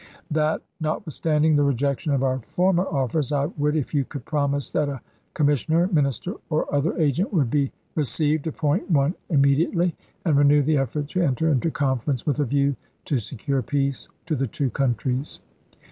That, not withstanding the rejection of our former offers, I would, if you could promise that a commissioner, minister, or other agent would be received, appoint one immediately, and renew the effort to enter into conference, with a view to secure peace to the two countries.